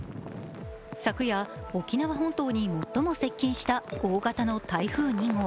昨夜、沖縄本島に最も接近した大型の台風２号。